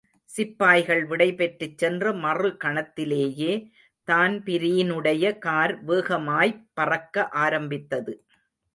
சிப்பாய்கள் விடைபெற்றுச் சென்ற மறுகணத்திலேயே தான்பிரீனுடைய கார் வேகமாய்ப் பறக்க ஆரம்பித்தது.